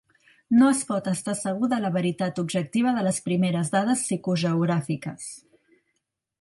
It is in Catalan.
No es pot estar segur de la veritat objectiva de les primeres dades psicogeogràfiques.